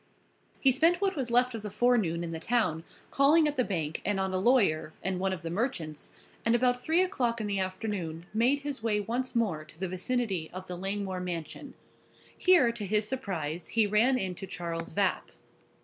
He spent what was left of the forenoon in the town, calling at the bank, and on a lawyer and one of the merchants, and about three o'clock in the afternoon made his way once more to the vicinity of the Langmore mansion. Here, to his surprise, he ran into Charles Vapp.